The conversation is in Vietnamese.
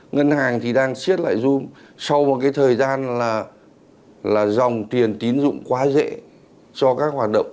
ngân hàng thì đang xiết lại zoom sau một cái thời gian là dòng tiền tín dụng quá dễ cho các hoạt động